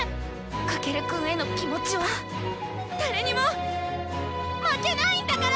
翔くんへの気持ちは誰にも負けないんだから！」。